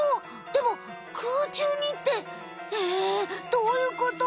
でも空中にってええどういうこと？